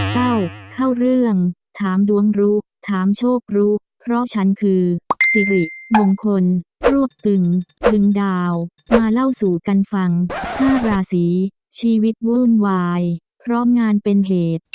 เข้าเรื่องถามดวงรู้ถามโชครู้เพราะฉันคือสิริมงคลรวบตึงตึงดาวมาเล่าสู่กันฟัง๕ราศีชีวิตวุ่นวายพร้อมงานเป็นเหตุ